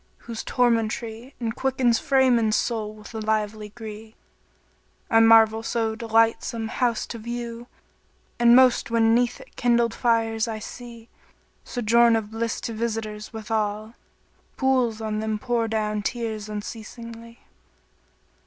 whose tormentry * Enquickens frame and soul with lively gree: I marvel so delightsome house to view, * And most when 'neath it kindled fires I see: Sojourn of bliss to visitors, withal * Pools on them pour down tears unceasingly."